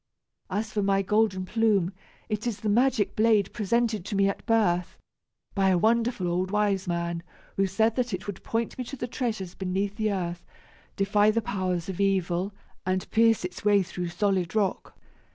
As for my golden plume it is the magic blade presented to me at birth, by a wonderful old wiseman, who said that it would point me to the treasures beneath the earth, defy the powers of evil, and pierce its way through solid rock.